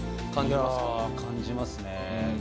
感じますね。